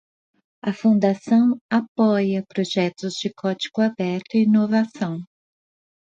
A fundação apoia projetos de código aberto e inovação.